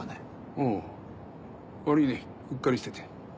ああ悪いねうっかりしてて。